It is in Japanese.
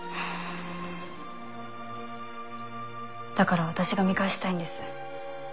だから私が見返したいんです。